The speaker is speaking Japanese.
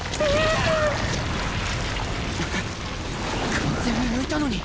完全に抜いたのに